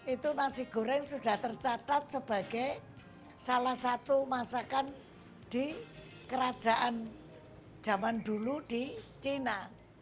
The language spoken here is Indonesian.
itu nasi goreng sudah tercatat sebagai salah satu masakan di kerajaan zaman dulu di china